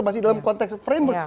masih dalam konteks framework